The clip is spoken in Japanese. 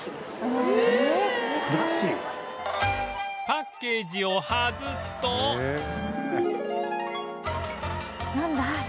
パッケージを外すとなんだ？